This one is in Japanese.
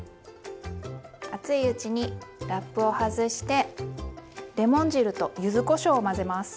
熱いうちにラップを外してレモン汁とゆずこしょうを混ぜます。